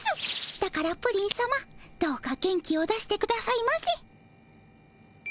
だからプリンさまどうか元気を出してくださいませ。